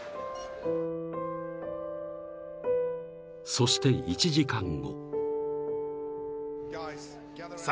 ［そして１時間後］